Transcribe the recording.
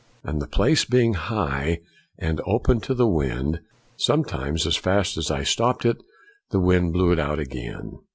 And the place being high, and open to the wind, some times as fast as I stopped it, the wind blew it out again.